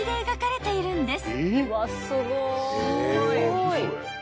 すごい。